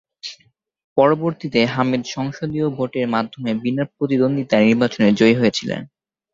পরবর্তীতে হামিদ সংসদীয় ভোটের মাধ্যমে বিনা প্রতিদ্বন্দ্বিতায় নির্বাচনে জয়ী হয়েছিলেন।